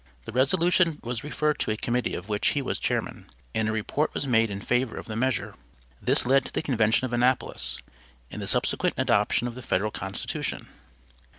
The resolution was referred to a committee of which he was chairman, and a report was made in favor of the measure. This led to the convention of Annapolis, and the subsequent adoption of the Federal Constitution.